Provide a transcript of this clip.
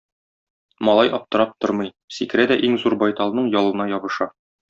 Малай аптырап тормый, сикерә дә иң зур байталның ялына ябыша.